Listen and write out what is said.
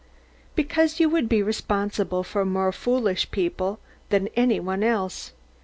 Because you would be responsible for more foolish people than any one else.